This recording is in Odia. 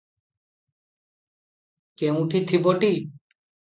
କେଉଁଠି ଥିବଟି!